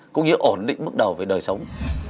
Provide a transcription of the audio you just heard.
cũng như ổn định mức đầu về đời sống